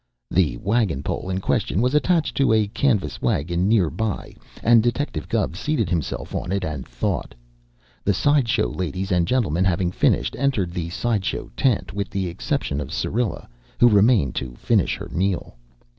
The wagon pole in question was attached to a canvas wagon near by, and Detective Gubb seated himself on it and thought. The side show ladies and gentlemen, having finished, entered the side show tent with the exception of Syrilla, who remained to finish her meal.